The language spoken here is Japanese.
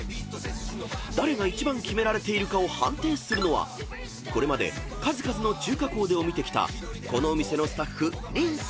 ［だれが一番キメられているかを判定するのはこれまで数々の中華コーデを見てきたこのお店のスタッフ］